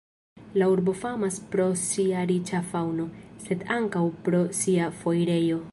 La urbo famas pro sia riĉa faŭno, sed ankaŭ pro sia foirejo.